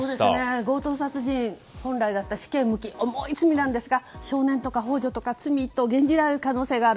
強盗殺人、本来だったら死刑、無期重い罪なんですが少年とか幇助とか罪と減じられる可能性がある。